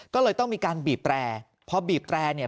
ก็เลยต้องมีการบีบแตรพอบีบแตรเนี่ย